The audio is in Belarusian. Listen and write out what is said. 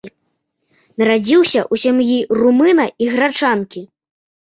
Нарадзіўся ў сям'і румына і грачанкі.